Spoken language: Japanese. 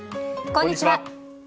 こんにちは。